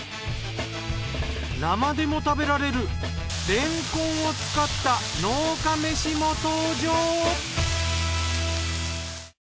生でも食べられるれんこんを使った農家めしも登場。